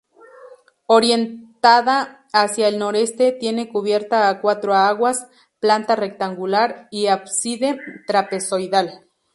Orientada hacia el Noreste, tiene cubierta a cuatro aguas, planta rectangular y ábside trapezoidal.